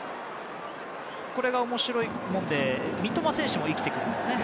これが面白いもので三笘選手も生きてくるんですね。